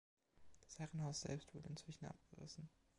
Das Herrenhaus selbst wurde inzwischen abgerissen.